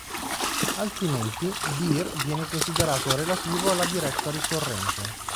Altrimenti "dir" viene considerato relativo alla directory corrente.